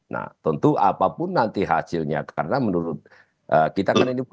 nah tentu apapun nanti hasilnya karena menurut kita kan ini